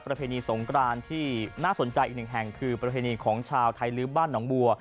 ประเพณีสงกรานที่น่าสนใจอีกหนึ่งแห่งคือประเพณีของชาวไทยลื้อบ้านหนองบัว